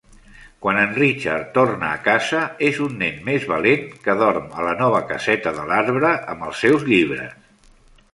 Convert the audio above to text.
Quan en Richard torna a casa és un nen més valent, que dorm a la nova caseta de l'arbre amb els seus llibres.